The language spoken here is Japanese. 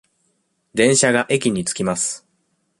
電車が駅に着きます。